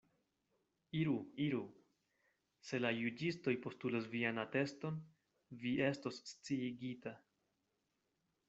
Iru, iru; se la juĝistoj postulas vian ateston, vi estos sciigita.